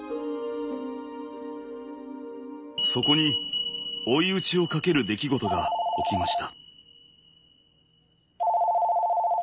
そこに追い打ちをかける出来事が起きました。